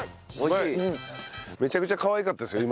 めちゃくちゃかわいかったですよ